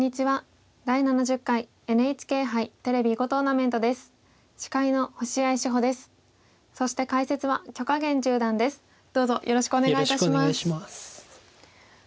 はい。